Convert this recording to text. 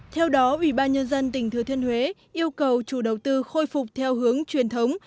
theo đó ủy ban nhân dân tỉnh thừa thiên huế yêu cầu chủ đầu tư khôi phục theo hướng truyền thống